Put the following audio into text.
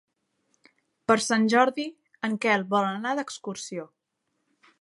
Per Sant Jordi en Quel vol anar d'excursió.